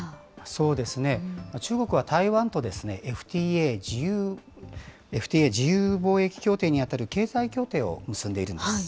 そうですね、中国は台湾とＦＴＡ・自由貿易協定に当たる経済協定を結んでいるんです。